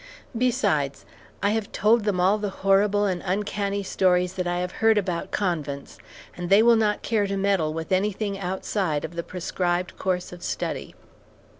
Besides, I have told them all the horrible and uncanny stories that I have heard about convents, and they will not care to meddle with anything outside of the prescribed course of study."